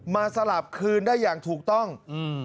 สลับคืนได้อย่างถูกต้องอืม